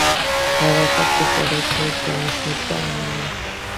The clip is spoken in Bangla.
রাজার চাকরি কর সে জ্ঞান কি নাই?